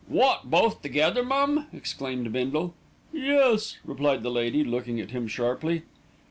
"Wot, both together, mum!" exclaimed Bindle. "Yes," replied the lady, looking at him sharply.